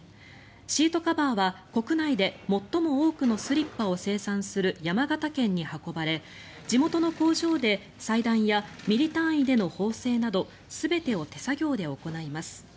シートカバーは国内で最も多くのスリッパを生産する山形県に運ばれ、地元の工場で裁断や、ミリ単位での縫製など全てを手作業で行います。